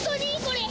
これ。